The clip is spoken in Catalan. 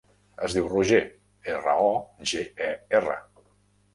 Es diu Roger: erra, o, ge, e, erra.